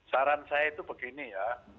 saran saya itu begini ya